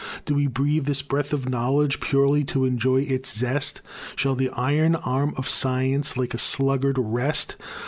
Do we breathe this breath of Knowledge Purely to enjoy its zest? Shall the iron arm of science Like a sluggard rest?